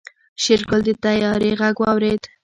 شېرګل د طيارې غږ واورېد.